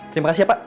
terima kasih pak